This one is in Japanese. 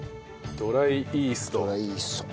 ドライイースト。